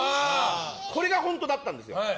これが本当だったんですよ。